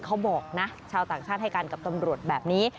เขาบอกนะชาวต่างชาติให้กันกับตำรวจแบบนี้